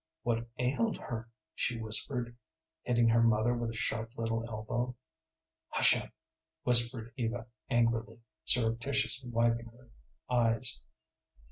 "What ailed her?" she whispered, hitting her mother with a sharp little elbow. "Hush up!" whispered Eva, angrily, surreptitiously wiping her eyes.